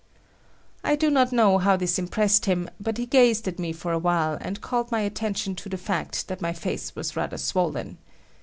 I do not know how this impressed him, but he gazed at me for a while, and called my attention to the fact that my face was rather swollen.